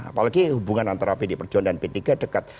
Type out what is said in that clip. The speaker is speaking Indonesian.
apalagi hubungan antara pd perjuangan dan pt gekat